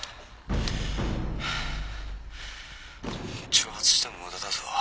「挑発しても無駄だぞ。